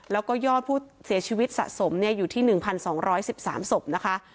แล้วก็ยอดผู้เสียชีวิตสะสมอยู่ที่๑๒๑๓ศพนะคะ